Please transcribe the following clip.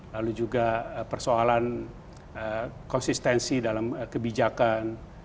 lalu juga persoalan konsistensi dalam kebijakan